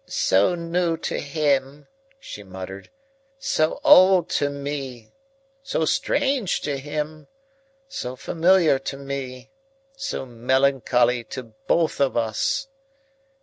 "So new to him," she muttered, "so old to me; so strange to him, so familiar to me; so melancholy to both of us!